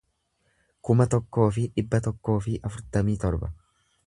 kuma tokkoo fi dhibba tokkoo fi afurtamii torba